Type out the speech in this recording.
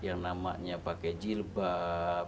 yang namanya pakai jilbab